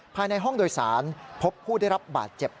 ภายในห้องโดยสารพบผู้ได้รับบาดเจ็บ